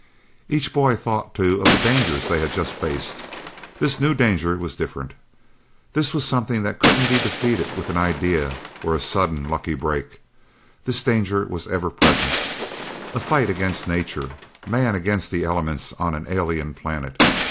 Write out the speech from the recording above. Each boy thought, too, of the dangers they had just faced. This new danger was different. This was something that couldn't be defeated with an idea or a sudden lucky break. This danger was ever present a fight against nature, man against the elements on an alien planet.